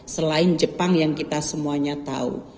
selain jepang yang kita semuanya tahu